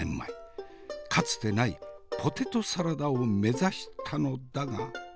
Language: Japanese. かつてないポテトサラダを目指したのだが。